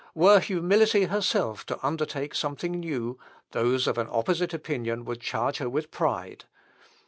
Were humility herself to undertake something new, those of an opposite opinion would charge her with pride.